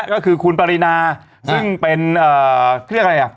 ก็คือคุณปรรินาซึ่งเป็นอะไรอ่ะ